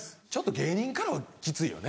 芸人からはきついよね。